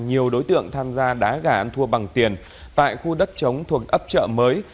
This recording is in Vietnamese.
nhiều đối tượng tham gia đá gà thua bằng tiền tại khu đất chống thuộc ấp trợ mới